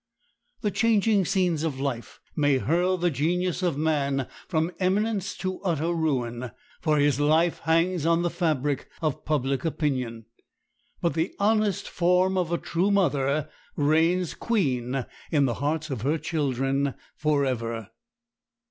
The changing scenes of life may hurl the genius of man from eminence to utter ruin; for his life hangs on the fabric of public opinion. But the honest form of a true mother reigns queen in the hearts of her children forever.